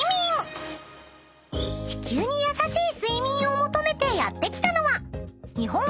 ［地球に優しい睡眠を求めてやって来たのは］